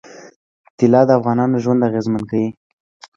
طلا د افغانانو ژوند اغېزمن کوي.